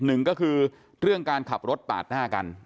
หนึ่งก็คือเรื่องการขับรถปาดหน้ากัน